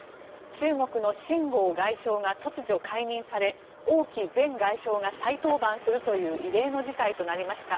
中国のシン・ゴウ外相が突如、解任され王毅前外相が再登板するという異例の事態となりました。